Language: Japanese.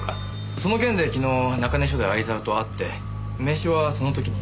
その件で昨日中根署で相沢と会って名刺はその時に。